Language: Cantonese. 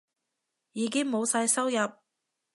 已經冇晒收入